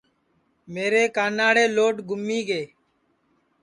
میرے کاناڑے لوڈ گُمی گے